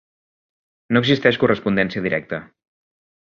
No existeix correspondència directa.